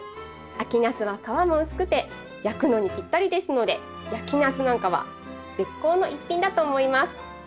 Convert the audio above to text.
秋ナスは皮も薄くて焼くのにぴったりですので焼きナスなんかは絶好の一品だと思います。